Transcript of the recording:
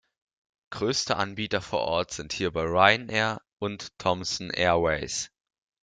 Größte Anbieter vor Ort sind hierbei Ryanair und Thomson Airways.